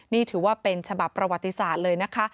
นี่ถือว่าเป็นฉบับประวัติศาสตร์เลยนะคะ